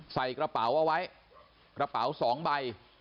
ใส่กระเป๋าเอาไว้กระเป๋า๒ใบ